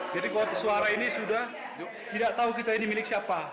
jadi kalau suara ini sudah tidak tahu kita ini milik siapa